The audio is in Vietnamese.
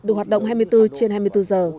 đủ hoạt động hai mươi bốn trên hai mươi bốn giờ